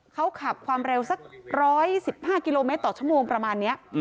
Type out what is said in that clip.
เขาขับความเร็วสัก๑๑๕กิโลเมตรต่อชั่วโมงประมาณนี้